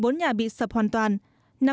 một mươi bốn nhà bị sập hoàn toàn